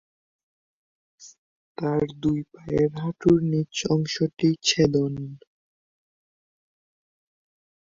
তাঁর দুই পায়ের হাঁটুর নীচ অংশটি ছেদন।